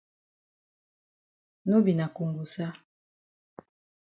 No be na kongosa.